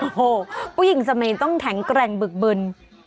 โอ้โหผู้หญิงเสมียต้องแข็งแกร่งบึกบึน